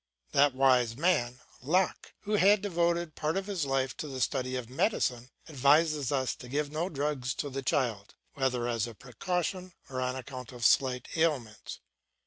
That wise man, Locke, who had devoted part of his life to the study of medicine, advises us to give no drugs to the child, whether as a precaution, or on account of slight ailments.